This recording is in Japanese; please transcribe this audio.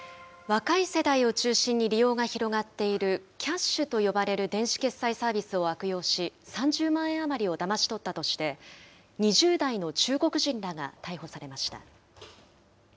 若い世代を中心に利用が広がっているＫｙａｓｈと呼ばれる電子決済サービスを悪用し、３０万円余りをだまし取ったとして、２０代の中国人らが逮捕されました。